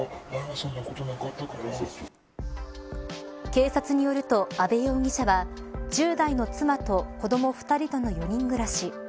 警察によると、阿部容疑者は１０代の妻と子ども２人との４人暮らし。